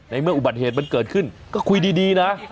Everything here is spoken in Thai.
เมื่ออุบัติเหตุมันเกิดขึ้นก็คุยดีนะ